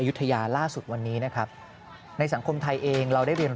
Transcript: ยุธยาล่าสุดวันนี้นะครับในสังคมไทยเองเราได้เรียน